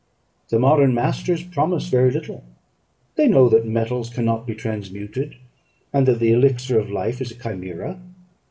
The modern masters promise very little; they know that metals cannot be transmuted, and that the elixir of life is a chimera.